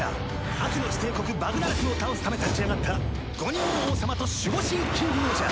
悪の地帝国バグナラクを倒すため立ち上がった５人の王様と守護神キングオージャー